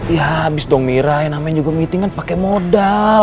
ya abis dong mira yang namanya juga meetingan pake modal